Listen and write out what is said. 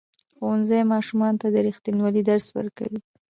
ښوونځی ماشومانو ته د ریښتینولۍ درس ورکوي.